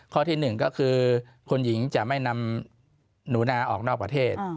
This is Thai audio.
ข้อที่๑ก็คือคุณหญิงจะไม่นำหนูนาออกนอกประเทศ